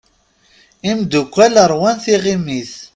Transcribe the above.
Imddukal rwan tiɣimit.